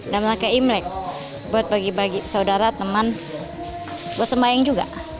namanya kayak imlek buat bagi bagi saudara teman buat sembahyang juga